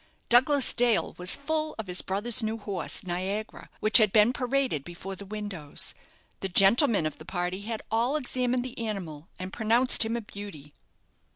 Douglas Dale was full of his brother's new horse, "Niagara," which had been paraded before the windows. The gentlemen of the party had all examined the animal, and pronounced him a beauty.